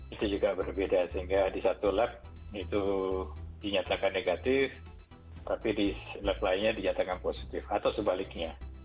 itu juga berbeda sehingga di satu lab itu dinyatakan negatif tapi di lab lainnya dinyatakan positif atau sebaliknya